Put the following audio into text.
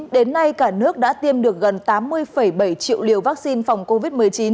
đến nay cả nước đã tiêm được gần tám mươi bảy triệu liều vaccine phòng covid một mươi chín